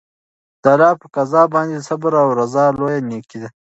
د الله په قضا باندې صبر او رضا لویه نېکي ده.